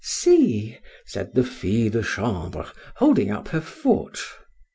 —See, said the fille de chambre, holding up her foot.